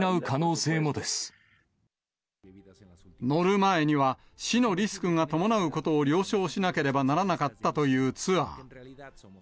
乗る前には、死のリスクが伴うことを了承しなければならなかったというツアー。